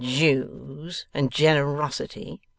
'Jews and generosity!